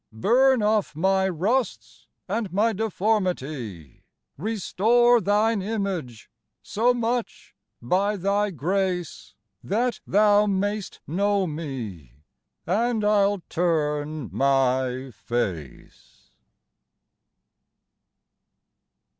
Burne off my rusts, and my deformity, Restore thine Image, so much, by thy grace, That thou may'st know mee, and I'll turne my face.